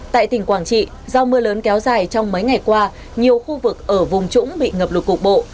tại tỉnh quảng trị do mưa lớn kéo dài trong mấy ngày qua nhiều khu vực ở vùng trũng bị ngập lụt cục bộ